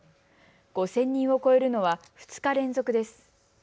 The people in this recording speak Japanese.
５０００人を超えるのは２日連続です。